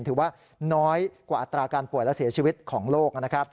ถือว่าน้อยกว่าอัตราการป่วยและเสียชีวิตของโลกนะครับ